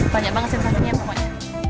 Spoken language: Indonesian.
banyak banget sensasinya pokoknya